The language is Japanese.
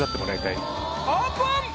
オープン！